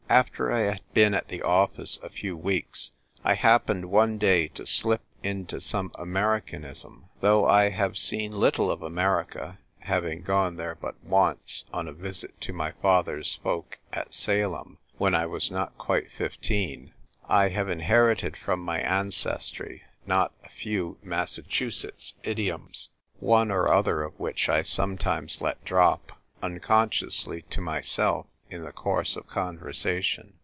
After I had been at the office a few weeks, I happened one day to slip into some Ameri canism. Though I have seen little of America (having gone there but once on a visit to my father's folk at Salem when I was not quite 142 THE TYPE WRITER GIRL. fifteen) I have inherited from my ancestry not a few Massachusetts idioms, one or other of which I sometimes let drop, unconsciously to myself, in the course of conversation.